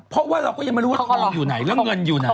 เพราะว่าเราก็ยังไม่รู้ว่าทองอยู่ไหนแล้วเงินอยู่ไหน